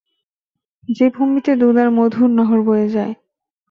যে ভূমিতে দুধ আর মধুর নহর বয়ে যায়।